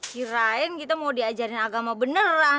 kirain kita mau diajarin agama beneran